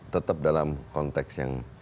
tetap dalam konteks yang